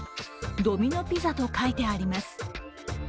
ドミノ・ピザと書いてあります。